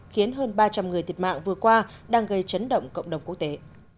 khiến hơn ba trăm linh người thiệt mạng vừa qua đang gây chấn động cộng đồng quốc tế